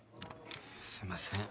すいません。